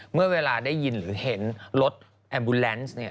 เมื่อเวลาได้ยินหรือเห็นรถแอมบูแลนซ์เนี่ย